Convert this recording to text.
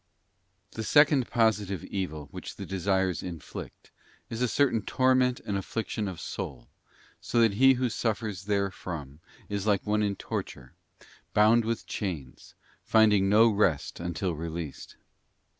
, Tum second positive evil which the desires inflict is a certain torment and affliction of soul, so that he who suffers there from is like one in torture, bound with chains, finding no rest until released.